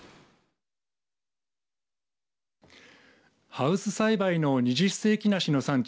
ハウス栽培の二十世紀梨の産地